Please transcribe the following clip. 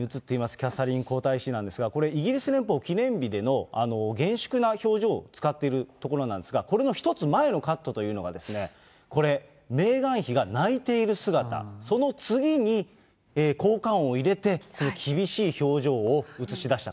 キャサリン皇太子妃なんですが、これ、イギリス連邦記念日での厳粛な表情を使っているところなんですが、これの１つ前のカットというのが、これ、メーガン妃が泣いている姿、その次に効果音を入れて、この厳しい表情を映し出した。